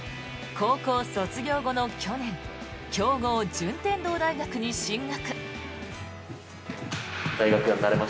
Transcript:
高校卒業後の去年強豪・順天堂大学に進学。